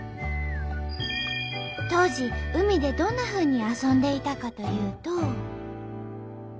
当時海でどんなふうに遊んでいたかというと。